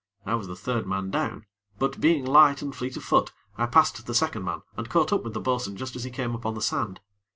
I was the third man down; but, being light and fleet of foot, I passed the second man and caught up with the bo'sun just as he came upon the sand.